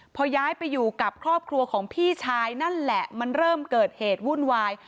พอย้ายไปอยู่กับครอบครัวของพี่ชายนั่นแหละมันเริ่มเกิดเหตุวุ่นวาย